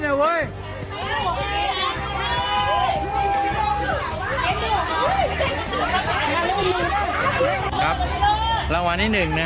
พูดนี่แม่๖ล้านไม่ตื่นเต้นเลย